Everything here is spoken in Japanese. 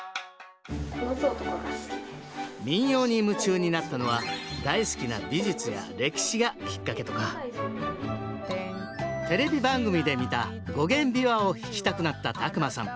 民謡に夢中になったのは大好きなテレビ番組で見た五絃琵琶を弾きたくなった拓真さん。